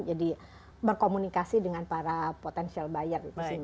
jadi berkomunikasi dengan para potential buyer